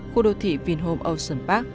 khu đô thị vinhome ocean park